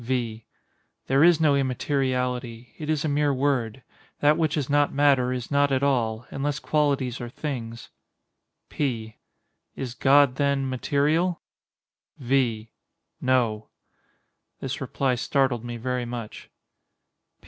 V. There is no immateriality—it is a mere word. That which is not matter, is not at all—unless qualities are things. P. Is God, then, material? V. No. [_This reply startled me very much.